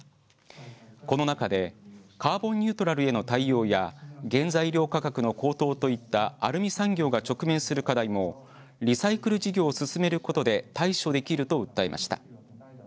この中でカーボンニュートラルへの対応や原材料価格の高騰といったアルミ産業が直面する課題もリサイクル事業を進めることで対処できると訴えました。